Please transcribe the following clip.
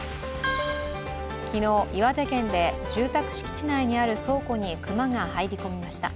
昨日、岩手県で住宅敷地内にある倉庫に熊が入りました。